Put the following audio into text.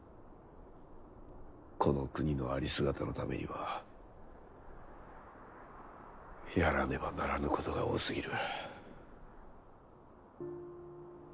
この国のありすがたのためにはやらねばならぬことが多すぎる。